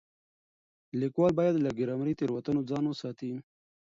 ليکوال بايد له ګرامري تېروتنو ځان وساتي.